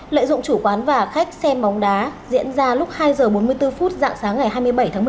lợi dụng chủ quán và khách xem bóng đá diễn ra lúc hai h bốn mươi bốn phút dạng sáng ngày hai mươi bảy tháng một mươi